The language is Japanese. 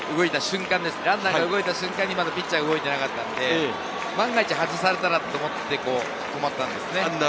ランナーが動いた瞬間にピッチャーが動いていなかったので、万一、外されたらと思って止まったんですね。